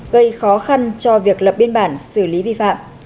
gây khó khăn cho việc lập biên bản xử lý vi phạm